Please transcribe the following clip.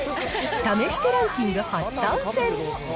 試してランキング初参戦！